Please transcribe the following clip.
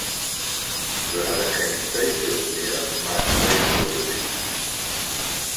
We hebben geen veeteelt meer, maar vleesproductie.